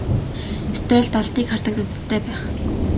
Ёстой л далдыг хардаг увдистай байх.